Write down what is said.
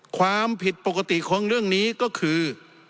ความผิดปกติของเรื่องนี้ก็คือ